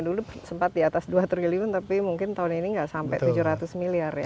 dulu sempat di atas dua triliun tapi mungkin tahun ini nggak sampai tujuh ratus miliar ya